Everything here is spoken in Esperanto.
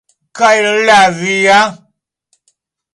Kaj la via?